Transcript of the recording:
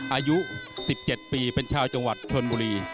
อายุ๑๗ปีเป็นชาวจังหวัดชนบุรี